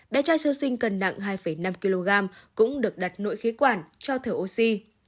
bé trai sơ sinh cần nặng hai năm kg cũng được đặt nội khí quản cho thở oxy